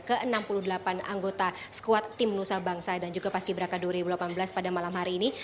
ke enam puluh delapan anggota squad tim nusa bangsa dan juga paski beraka dua ribu delapan belas pada malam hari ini